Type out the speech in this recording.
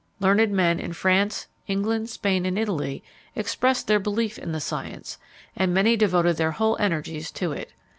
Learned men in France, England, Spain, and Italy, expressed their belief in the science, and many devoted their whole energies to it.